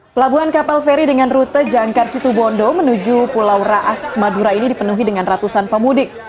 pelabuhan kapal feri dengan rute jangkar situbondo menuju pulau raas madura ini dipenuhi dengan ratusan pemudik